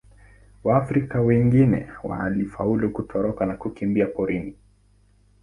Waafrika wengine walifaulu kutoroka na kukimbia porini.